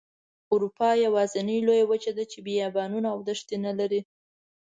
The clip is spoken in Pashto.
اروپا یوازینۍ لویه وچه ده چې بیابانه او دښتې نلري.